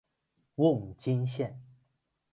瓮津线